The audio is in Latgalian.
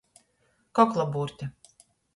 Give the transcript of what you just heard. Koklabūrte.